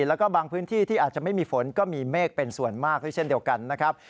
แล้วก็บางพื้นที่ที่อาจจะไม่มีฝนก็มีเมฆเป็นส่วนมากด้วยเช่นเดียวกันนะครับ